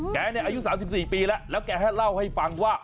แกเนี่ยอายุ๓๔ปีแล้วแล้วแกให้เล่าให้ฟังว่า